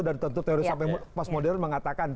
dan tentu teori sampai pos modern mengatakan